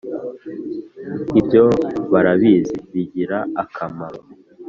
Ibyo barabizi bigira akamaro